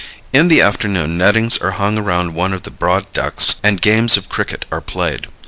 In the afternoon nettings are hung around one of the broad decks and games of cricket are played.